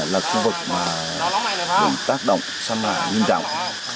là khu vực được tác động xâm lại nghiêm trọng